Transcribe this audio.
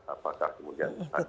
apakah kemudian tadi